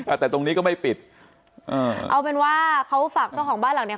แต่ตรงนี้ก็ไม่ปิดอ่าเอาเป็นว่าเขาฝากเจ้าของบ้านหลังเนี้ย